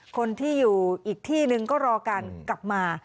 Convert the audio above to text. คนที่อยู่อีกที่นึงก็รอการกลับมา